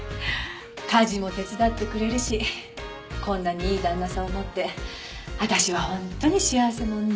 家事も手伝ってくれるしこんなにいい旦那さんを持って私は本当に幸せ者です。